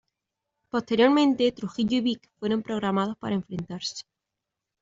Posteriormente, Trujillo y Vick fueron programados para enfrentarse.